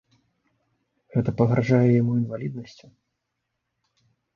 Гэта пагражае яму інваліднасцю.